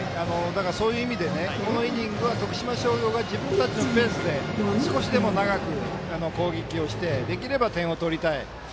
そういう意味でこのイニングは徳島商業が自分たちのペースで少しでも長く攻撃をしてできれば点を取りたい。